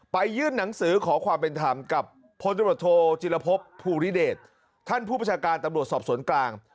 ยื่นหนังสือขอความเป็นธรรมกับพลตำรวจโทจิลภพภูริเดชท่านผู้ประชาการตำรวจสอบสวนกลาง